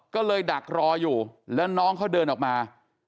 ก็เลยดักรออยู่แล้วน้องเขาเดินออกมา